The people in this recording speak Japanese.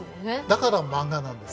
だからマンガなんです。